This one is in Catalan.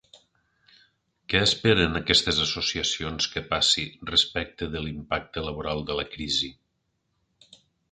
Què esperen aquestes associacions que passi respecte de l'impacte laboral de la crisi?